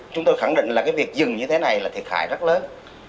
chúng tôi khẳng định là cái việc dừng như thế này là thiệt hại rất lớn